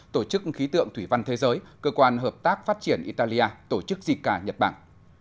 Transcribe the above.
tổ chức khí tượng thủy văn thế giới cơ quan hợp tác phát triển italia tổ chức zika nhật bản